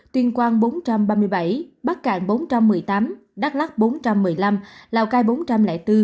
tuyên quang bốn trăm ba mươi bảy bắc cạn bốn trăm một mươi tám đắk lắc bốn trăm một mươi năm lào cai bốn trăm linh bốn